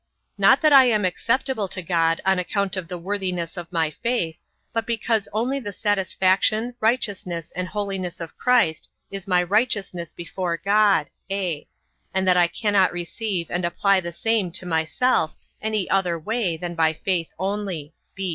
Not that I am acceptable to God, on account of the worthiness of my faith; but because only the satisfaction, righteousness, and holiness of Christ, is my righteousness before God; (a) and that I cannot receive and apply the same to myself any other way than by faith only.